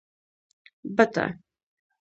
🪿بته